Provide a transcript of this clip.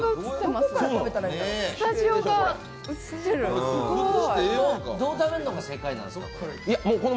どう食べるのが正解なんですか、これ。